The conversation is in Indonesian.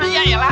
ya ya lah